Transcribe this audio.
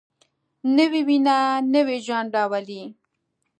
نوې وینه نوی ژوند راولي